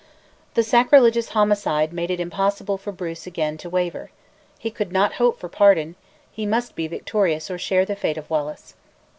The sacrilegious homicide made it impossible for Bruce again to waver. He could not hope for pardon; he must be victorious or share the fate of Wallace.